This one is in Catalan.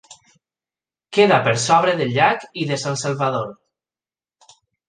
Queda per sobre del llac i de San Salvador.